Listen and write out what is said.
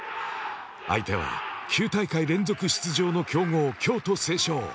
相手は、９大会連続出場の強豪・京都成章。